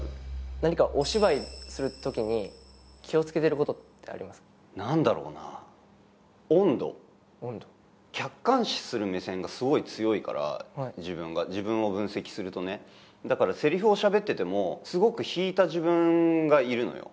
何かお芝居するときに気をつけてることってありますか何だろうな温度温度客観視する目線がすごい強いから自分が自分を分析するとねだからセリフをしゃべっててもすごく引いた自分がいるのよ